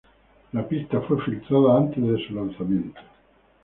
La pista fue filtrada antes de su lanzamiento.